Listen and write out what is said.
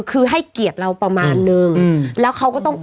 คือให้เกียรติเราประมาณนึง